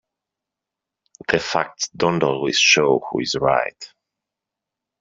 The facts don't always show who is right.